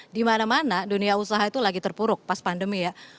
di mana mana dunia usaha itu lagi terpuruk pas pandemi ya